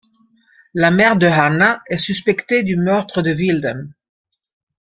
La mère de Hanna est suspectée du meurtre de Wilden.